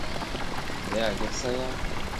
네, 알겠어요.